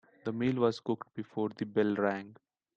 The meal was cooked before the bell rang.